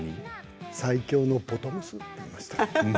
最強のボトムスと言ってました。